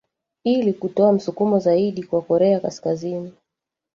ili kutoa msukumo zaidi kwa korea kaskazini